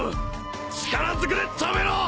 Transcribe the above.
力ずくで止めろ！